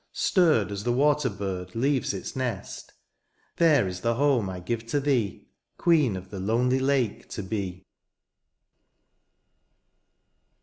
Stirred as the water bird leaves its nest. There is the home I give to thee, Queen of the lonely lake to be.